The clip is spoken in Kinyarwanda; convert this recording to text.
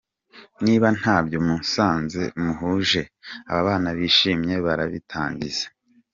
Niba ntabyo musanze muhuje, ababana bishimye barabitangiza.